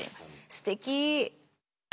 すてき。